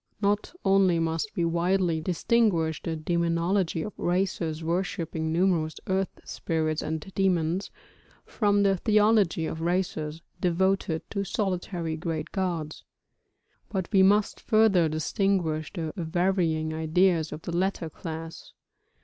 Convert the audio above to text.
Not only must we widely distinguish the demonology of races worshipping numerous earth spirits and demons, from the theology of races devoted to solitary great gods; but we must further distinguish the varying ideas of the latter class.